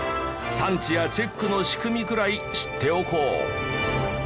産地やチェックの仕組みくらい知っておこう。